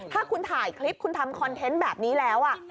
ถ้าคุณถ่ายคลิปคุณทำคอนเทนต์แบบนี้แล้ว